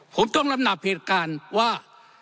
ผมต้องลำดับเหตุการณ์ว่า